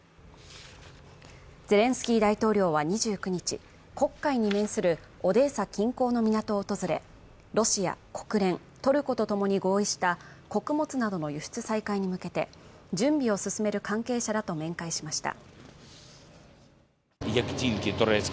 ゼレンスキー大統領は２９日、黒海に面するオデーサ近郊の港を訪れロシア、国連、トルコとともに合意した穀物などの輸出再開に向けて準備を進める関係者らと面会しました。